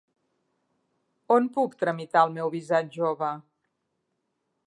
On puc tramitar el meu visat jove?